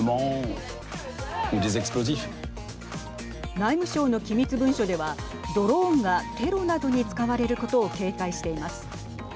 内務省の機密文書ではドローンがテロなどに使われることを警戒しています。